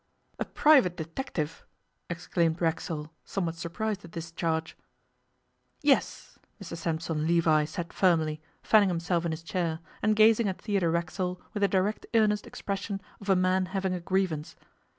'A private detective?' exclaimed Racksole, somewhat surprised at this charge. 'Yes,' Mr Sampson Levi said firmly, fanning himself in his chair, and gazing at Theodore Racksole with the direct earnest expression of a man having a grievance.